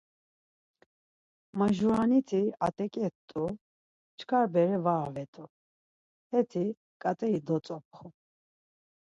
Majuraniti at̆eǩe t̆u, çkar bere var avet̆u, heti ǩat̆iri dotzopxu.